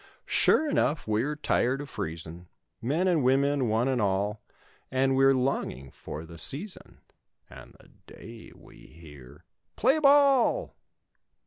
Sure enough we're tired of freezin' Men an women—one and all And we're longing for the season And the day we hear "PLAY BALL."